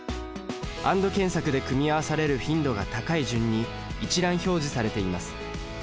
ＡＮＤ検索で組み合わされる頻度が高い順に一覧表示されています。